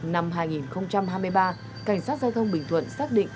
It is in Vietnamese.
năm hai nghìn hai mươi ba cảnh sát giao thông bình thuận xác định